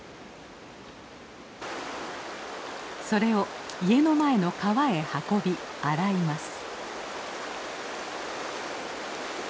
それを家の前の川へ運び洗います。